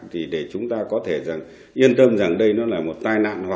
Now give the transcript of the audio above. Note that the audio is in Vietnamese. thì để chúng ta có thể yên tâm rằng đây nó là một tai nạn